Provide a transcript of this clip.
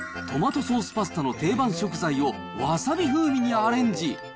トマトソースパスタの定番食材を、わさび風味にアレンジ。